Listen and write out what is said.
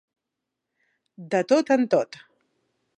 De tot en tot.